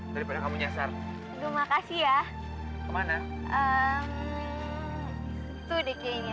daripada kamu nyasar